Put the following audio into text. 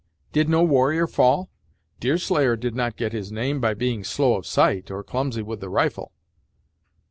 "Did no warrior fall? Deerslayer did not get his name by being slow of sight, or clumsy with the rifle!"